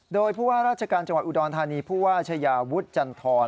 โดยผู้ว่าราชการจังหวัดอุดรธานีผู้ว่าชายาวุฒิจันทร